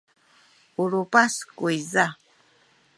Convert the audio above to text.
u lupas kuyza.